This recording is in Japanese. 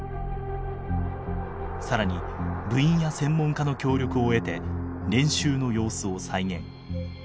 更に部員や専門家の協力を得て練習の様子を再現。